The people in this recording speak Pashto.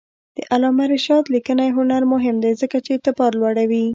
د علامه رشاد لیکنی هنر مهم دی ځکه چې اعتبار لوړوي.